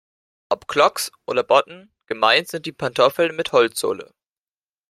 Ob Clogs oder Botten, gemeint sind die Pantoffeln mit Holzsohle.